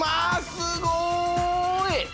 すごい！